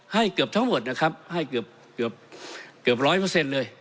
เกือบทั้งหมดนะครับให้เกือบร้อยเปอร์เซ็นต์เลย